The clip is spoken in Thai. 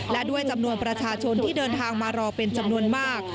และด้วยจำนวนประชาชนที่เดินทางมารอเป็นจำนวนมาก